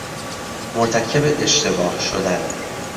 مرتکب اشتباه شدن